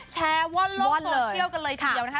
แชร์ว่อนโลกโซเชียลกันเลยทีเดียวนะคะ